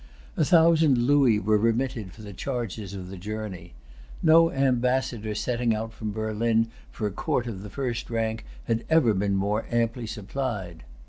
A thousand louis were remitted for the charges of the journey. No ambassador setting out from Berlin for a court of the first rank had ever been more amply supplied.